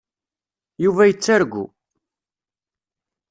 Yuba yettargu.